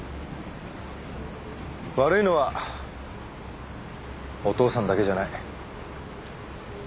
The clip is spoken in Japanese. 悪いのはお父さんだけじゃない。